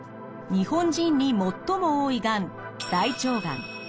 日本人に最も多いがん大腸がん。